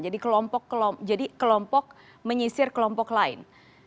jadi kelompok menyisir kelompok lain